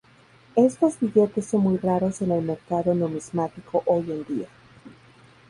Estos billetes son muy raros en el mercado numismático hoy en día.